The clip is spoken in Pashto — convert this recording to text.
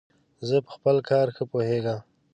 زه په خپل کار ښه پوهیژم.